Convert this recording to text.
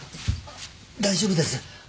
大丈夫です。